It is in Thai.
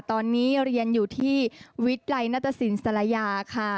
ตอนนี้เรียนอยู่ที่วิทยาลัยนัตตสินสรยาค่ะ